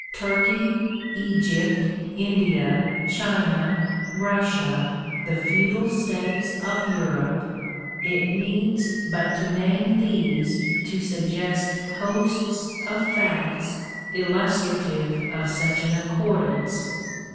Turkey, Egypt, India, China, Russia, the feudal states of Europe — it needs but to name these' to suggest hosts of facts illustrative of such an accordance.